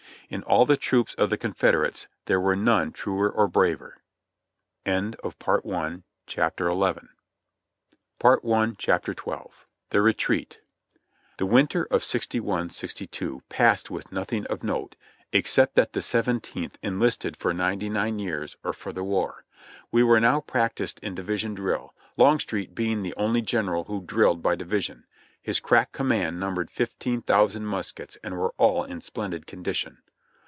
In all the troops of the Confederates, there were none truer or braver. CHAPTER XII. The retreat. The winter of '61 62 passed with nothing of note except that the Seventeenth enhsted for ninety nine years, or for the war. We were now practiced in division drill, Longstreet being the only general who drilled by division. His crack command num bered fifteen thousand muskets and were all in splendid condition.